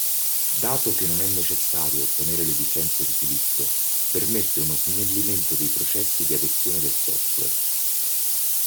Dato cheche non è necessario ottenere le licenze d'utilizzo, permette uno snellimento dei processi di adozione del software.